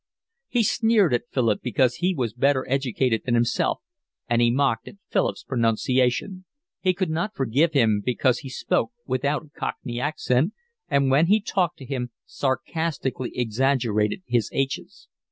He sneered at Philip because he was better educated than himself, and he mocked at Philip's pronunciation; he could not forgive him because he spoke without a cockney accent, and when he talked to him sarcastically exaggerated his aitches.